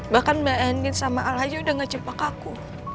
bahkan mbak andin sama al aja udah gak cepat ke aku